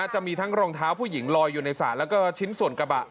จะมีทั้งรองเท้าผู้หญิงลอยอยู่ในสระแล้วก็ชิ้นส่วนกระบะ